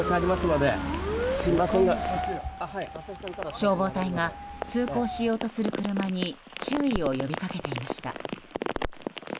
消防隊が通行しようとする車に注意を呼びかけていました。